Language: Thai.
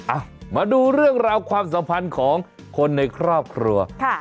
อ่ะมาดูเรื่องราวความสัมพันธ์ของคนในครอบครัวค่ะ